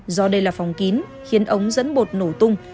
do đây là phòng kín khiến ống dẫn bột nổ tung